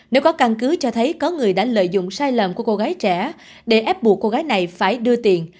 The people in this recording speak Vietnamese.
nếu có căn cứ cho thấy có người đã lợi dụng sai lầm của cô gái trẻ để ép buộc cô gái này phải đưa tiền